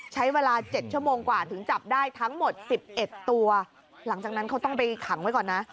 ใช้เวลา๗ชั่วโมงกว่าถึงจับได้ทั้งหมด๑๑ตัวหลังจากนั้นเขาต้องไปขังไว้ก่อนนะ